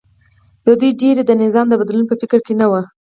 د دوی ډېری د نظام د بدلون په فکر کې نه و